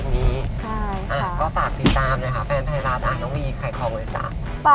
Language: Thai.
ไม่ใช่แน่นอนค่ะ